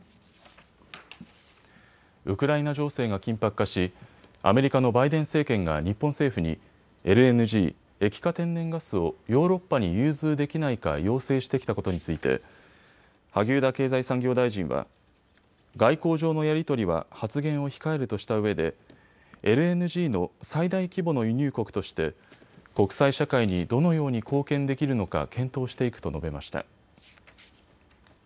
ウクライナ情勢が緊迫化し、アメリカのバイデン政権が日本政府にＬＮＧ・液化天然ガスをヨーロッパに流通できないか要請してきたことについて萩生田経済産業大臣は外交上のやり取りは発言を控えるとしたうえでＬＮＧの最大規模の輸入国として国際社会にどのように貢献できるのか検討していくと述べました。